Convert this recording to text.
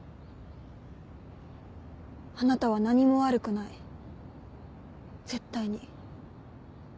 あなたは何も悪くない絶対に